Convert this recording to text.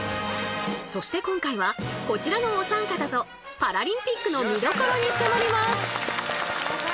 そして今回はこちらのお三方とパラリンピックの見どころに迫ります！